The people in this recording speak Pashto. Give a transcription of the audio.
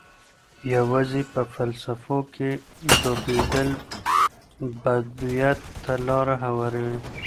يوازې په فلسفو کي ډوبېدل بدويت ته لاره هواروي.